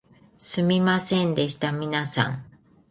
すみませんでした皆さん